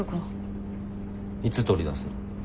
いつ取り出すの？